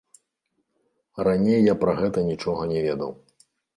Раней я пра гэта нічога не ведаў.